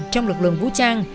trong lực lượng vũ trang